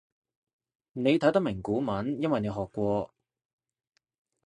你睇得明古文因為你學過